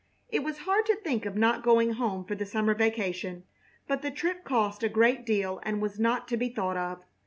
It was hard to think of not going home for the summer vacation; but the trip cost a great deal and was not to be thought of.